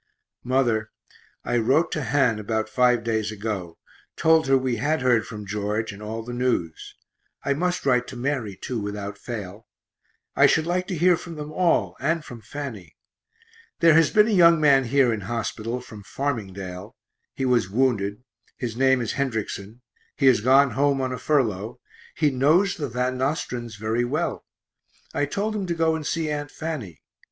.......... Mother, I wrote to Han about five days ago; told her we had heard from George, and all the news I must write to Mary too, without fail I should like to hear from them all, and from Fanny. There has been a young man here in hospital, from Farmingdale; he was wounded; his name is Hendrickson; he has gone home on a furlough; he knows the Van Nostrands very well I told him to go and see Aunt Fanny.